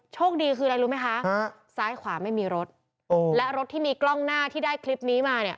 คดีคืออะไรรู้ไหมคะซ้ายขวาไม่มีรถและรถที่มีกล้องหน้าที่ได้คลิปนี้มาเนี่ย